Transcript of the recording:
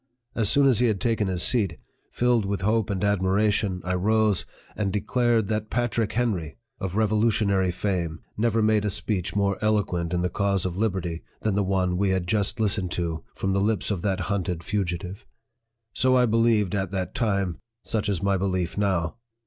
As soon as he had taken his seat, filled with hope and admiration, I rose, and declared that PATRICK HENRY, of revolutionary fame, never made a speech more eloquent in the cause of liberty, than the one we had just listened to from the lips of that hunted fugi tive. So I believed at that time such is my belief now.